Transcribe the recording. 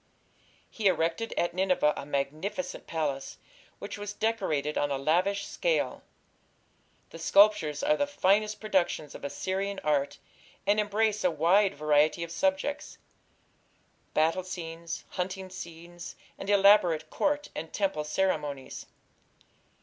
He erected at Nineveh a magnificent palace, which was decorated on a lavish scale. The sculptures are the finest productions of Assyrian art, and embrace a wide variety of subjects battle scenes, hunting scenes, and elaborate Court and temple ceremonies.